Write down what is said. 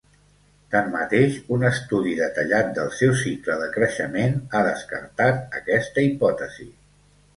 Tanmateix, un estudi detallat del seu cicle de creixement ha descartat aquesta hipòtesi.